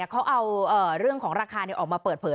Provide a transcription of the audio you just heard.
เขาเอาเรื่องของราคาออกมาเปิดเผย